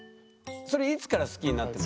それいつから好きになったの？